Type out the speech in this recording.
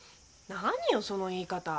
何よその言い方。